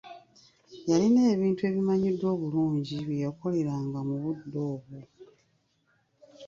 Yalina ebintu ebimanyiddwa obulungi bye yakoleranga mu budde obwo.